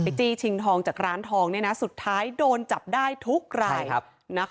ไปจี้ชิงทองจากร้านทองนี่นะสุดท้ายโดนจับได้ทุกรายนะครับ